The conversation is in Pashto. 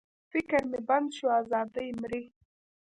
فکر چې بند شو، ازادي مري.